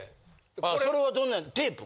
あそれはどんなんテープ？